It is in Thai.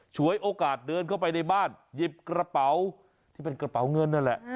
ฉวยโอกาสเดินเข้าไปในบ้านหยิบกระเป๋าที่เป็นกระเป๋าเงินนั่นแหละ